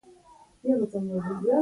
اوس د یووالي او یو ځای کېدلو وخت دی.